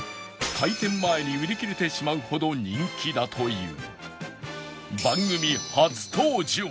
開店前に売り切れてしまうほど人気だという